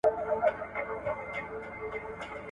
زه به سبا ونې ته اوبه ورکړم!؟